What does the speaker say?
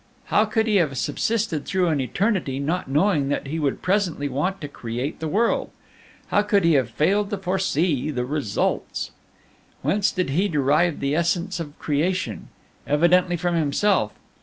How could He have subsisted through an eternity, not knowing that He would presently want to create the world? How could He have failed to foresee all the results? "Whence did He derive the essence of creation? Evidently from Himself.